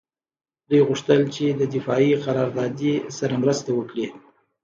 دوی غوښتل چې د دفاعي قراردادي سره مرسته وکړي